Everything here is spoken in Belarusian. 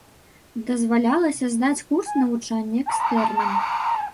Дазвалялася здаць курс навучання экстэрнам.